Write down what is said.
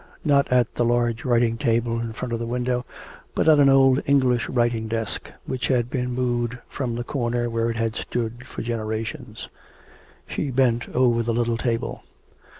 Not at the large writing table in front of the window, but at an old English writing desk, which had been moved from the corner where it had stood for generations. She bent over the little table.